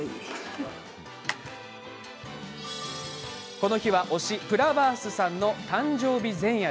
この日はプラバースさんの誕生日前夜。